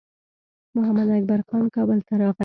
محمداکبر خان کابل ته راغی.